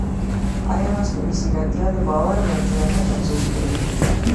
ایا مصنوعي ځیرکتیا د باور وړتیا نه کمزورې کوي؟